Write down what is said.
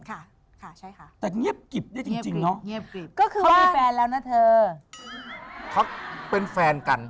ค่ะใช่ค่ะ